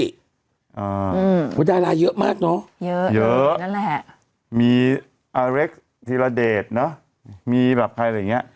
อ่าอืมวันดาราเยอะมากเนอะเยอะนั่นแหละมีเนอะมีแบบใครอะไรอย่างเงี้ย